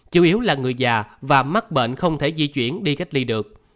chủ yếu là người già và mắc bệnh không thể di chuyển đi cách ly được